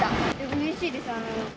うれしいです。